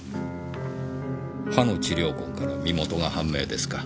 「歯の治療痕から身元が判明」ですか？